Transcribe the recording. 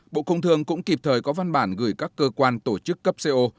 bộ công thương cũng kịp thời có văn bản gửi các cơ quan tổ chức cấp co